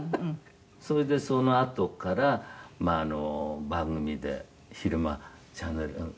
「それでそのあとから番組で昼間チャンネルねえ。